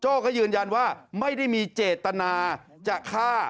ก็ยืนยันว่าไม่ได้มีเจตนาจะฆ่า